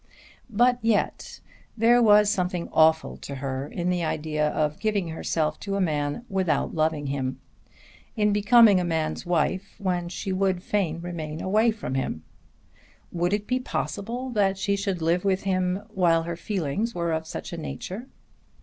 But yet there was something awful to her in the idea of giving herself to a man without loving him, in becoming a man's wife when she would fain remain away from him! Would it be possible that she should live with him while her feelings were of such a nature?